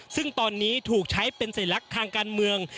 ซึ่งตอนนี้ถูกใช้เป็นสัญลักษณ์ทางการเมือง